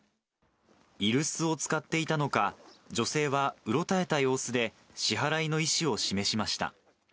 居留守を使っていたのか、女性はうろたえた様子で、支払いの意思を示しました。